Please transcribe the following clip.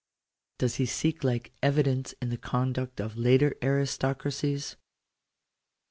Does he seek like evidence in the conduct of later aristo cracies ?